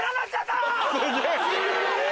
すげぇ。え！